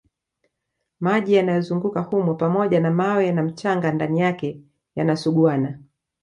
Maji yanayozunguka humo pamoja na mawe na mchanga ndani yake yanasuguana